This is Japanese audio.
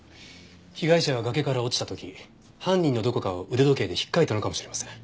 被害者は崖から落ちた時犯人のどこかを腕時計で引っかいたのかもしれません。